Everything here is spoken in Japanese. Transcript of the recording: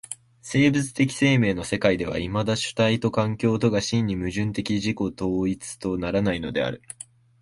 生物的生命の世界ではいまだ主体と環境とが真に矛盾的自己同一とならないのである。